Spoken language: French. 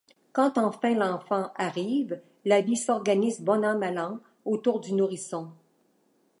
Quand enfin l'enfant arrive, la vie s'organise bon an mal an autour du nourrisson.